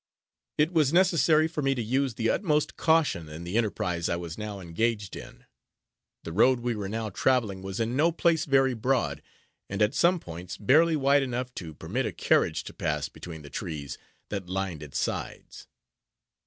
It was necessary for me to use the utmost caution in the enterprise I was now engaged in. The road we were now traveling, was in no place very broad, and at some points barely wide enough to permit a carriage to pass between the trees, that lined its sides.